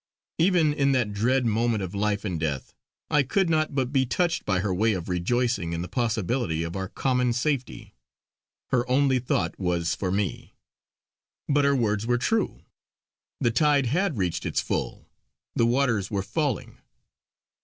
Even in that dread moment of life and death, I could not but be touched by her way of rejoicing in the possibility of our common safety. Her only thought was for me. But her words were true. The tide had reached its full; the waters were falling.